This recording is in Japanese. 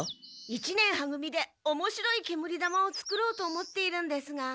一年は組でおもしろい煙玉を作ろうと思っているんですが。